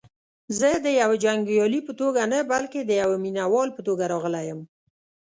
زه دیوه جنګیالي په توګه نه بلکې دیوه مینه وال په توګه راغلی یم.